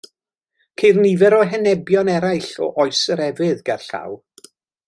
Ceir nifer o henebion eraill o Oes yr Efydd gerllaw.